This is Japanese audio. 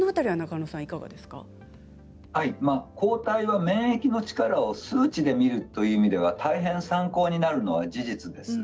抗体は免疫の力を数値で見るという意味では大変参考になるのは事実です。